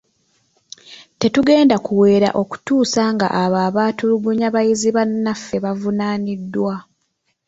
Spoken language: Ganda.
Tetugenda kuweera okutuusa nga abo abaatulugunya bayizi bannaffe bavunaaniddwa.